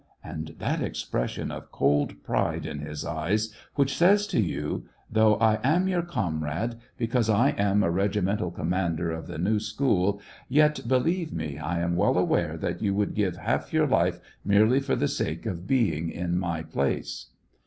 and that expression of cold pride in his eyes, which says to you, * Though I am your comrade, because I am a regimental commander of the new school, yet, believe me, I am well aware that you would give half your life merely for the sake of being in my place